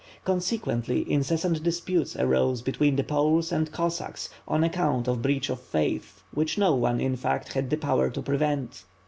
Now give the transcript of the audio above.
Con sequently, incessant disputes arose between the Poles and Cossacks on account of breach of faith, which no one, in fact, had the power to prevent.